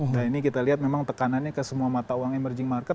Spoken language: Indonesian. nah ini kita lihat memang tekanannya ke semua mata uang emerging market